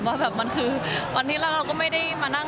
ว่าแบบมันคือวันที่แล้วเราก็ไม่ได้มานั่ง